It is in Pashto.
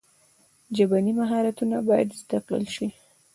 ژبني مهارتونه باید زده کړل سي.